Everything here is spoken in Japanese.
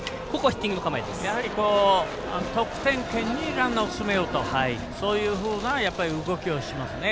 やはり得点圏にランナーを進めようとそういうふうな動きをしますね。